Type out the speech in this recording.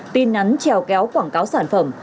tin nắn trèo kéo quảng cáo sản phẩm